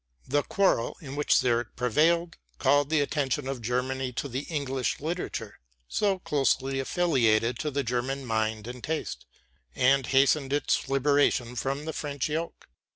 The quarrel, in which Zürich prevailed, called the attention of Germany to the English literature, so closely affiliated to the German mind and taste, and hastened its liberation from the French yoke.